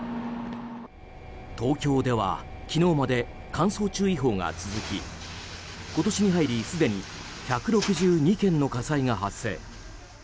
東京では昨日まで乾燥注意報が続き今年に入りすでに１６２件の火災が発生。